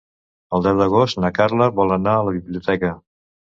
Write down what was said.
El deu d'agost na Carla vol anar a la biblioteca.